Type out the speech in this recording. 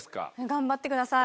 頑張ってください。